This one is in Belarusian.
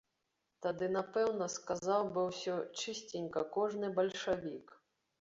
Тады напэўна сказаў бы ўсё чысценька кожны бальшавік.